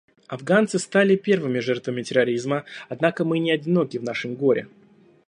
Афганцы стали первыми жертвами терроризма, однако мы не одиноки в нашем горе.